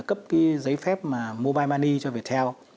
cấp giấy phép mobile money cho viettel